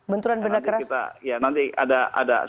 benturan benda keras